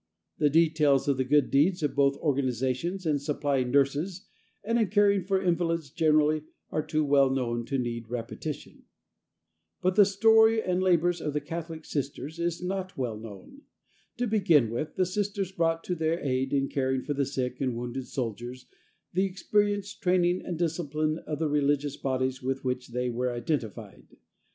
The details of the good deeds of both organizations in supplying nurses and in caring for invalids generally are too well known to need repetition. But the story of the labors of the Catholic Sisters is not so well known. To begin with, the Sisters brought to their aid in caring for the sick and wounded soldiers the experience, training and discipline of the religious bodies with which they were identified.